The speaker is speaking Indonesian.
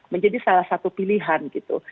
menjadi salah satu pilihan gitu